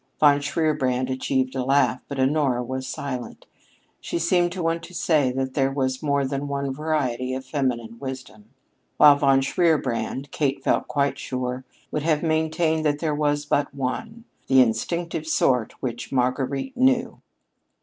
Von Shierbrand achieved a laugh, but Honora was silent. She seemed to want to say that there was more than one variety of feminine wisdom; while Von Shierbrand, Kate felt quite sure, would have maintained that there was but one the instinctive sort which "Marguerite knew."